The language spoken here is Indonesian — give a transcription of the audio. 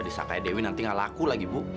disakai dewi nanti gak laku lagi bu